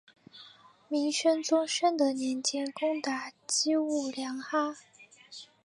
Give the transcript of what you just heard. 明宣宗宣德年间攻打击兀良哈。